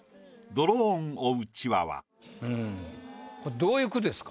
これどういう句ですか？